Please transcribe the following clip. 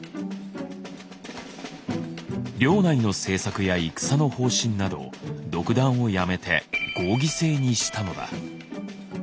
領内の政策や戦の方針など独断をやめて合議制にしたのだ。